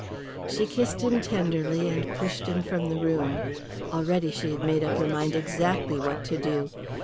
She kissed him tenderly, and pushed him from the room. Already she had made up her mind exactly what to do.